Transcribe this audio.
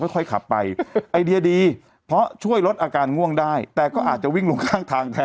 ค่อยขับไปไอเดียดีเพราะช่วยลดอาการง่วงได้แต่ก็อาจจะวิ่งลงข้างทางแทน